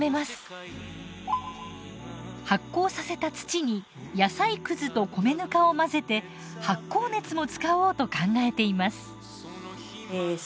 発酵させた土に野菜くずと米ぬかを混ぜて発酵熱も使おうと考えています。